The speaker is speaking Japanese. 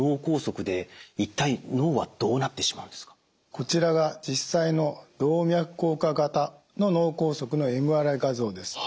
こちらが実際の動脈硬化型の脳梗塞のＭＲＩ画像です。